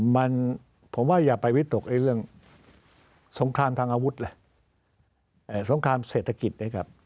มันผมว่าอย่าไปวิตกเรื่องสงครามทางอาวุธเลยสงครามเศรษฐกิจนะครับ